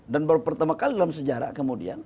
dan baru pertama kali dalam sejarah kemudian